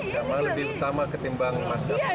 jemaah lebih sama ketimbang mas kb